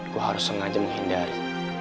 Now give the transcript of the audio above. gue harus sengaja menghindari